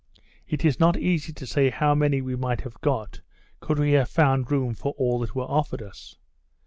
It is not easy to say how many we might have got, could we have found room for all that were offered us.